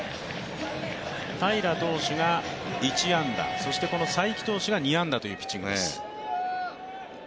平良投手が１安打、才木投手が２安打というピッチングです。